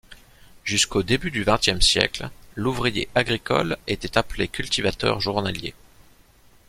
Jusqu'au début du xxe siècle, l'ouvrier agricole était appelé cultivateur journalier.